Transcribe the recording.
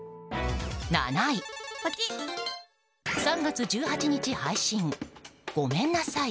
７位、３月１８日配信ごめんなさい。